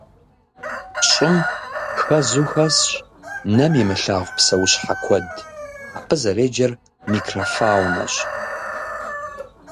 ЩӀым хэзу хэсщ нэм имылъагъу псэущхьэ куэд, абы зэреджэр микрофаунэщ.